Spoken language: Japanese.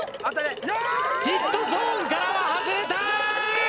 ヒットゾーンからは外れた！